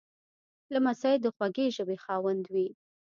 لمسی د خوږې ژبې خاوند وي.